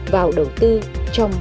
vào đầu tư trong